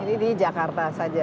ini di jakarta saja